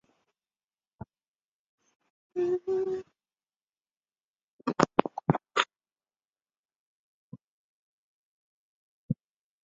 董太后在位二十二年。